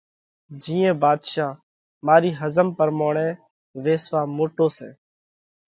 جِيئين ڀاڌشا، مارِي ۿزم پرموڻئہ وِسواه موٽو سئہ۔